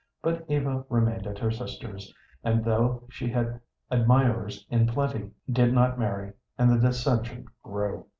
But Eva remained at her sister's, and, though she had admirers in plenty, did not marry, and the dissension grew.